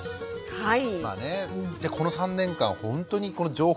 はい。